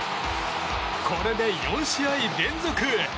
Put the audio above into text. これで４試合連続！